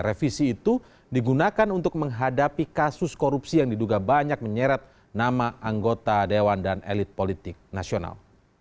revisi itu digunakan untuk menghadapi kasus korupsi yang diduga banyak menyeret nama anggota dewan dan elit politik nasional